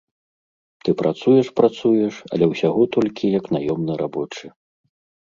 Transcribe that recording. Ты працуеш-працуеш, але ўсяго толькі як наёмны рабочы.